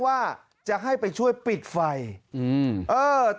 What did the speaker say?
เมื่อกี้มันร้องพักเดียวเลย